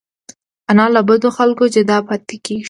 انا له بدو خلکو جدا پاتې کېږي